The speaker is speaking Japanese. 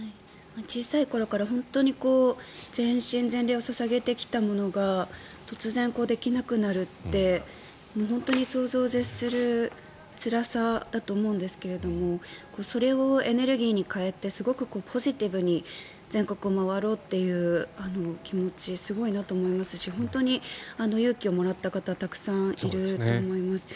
小さい頃から本当に全身全霊を捧げてきたものが突然、できなくなるって本当に想像を絶するつらさだと思うんですがそれをエネルギーに変えてすごくポジティブに全国を回ろうという気持ちはすごいなと思いますし本当に勇気をもらった方はたくさんいると思います。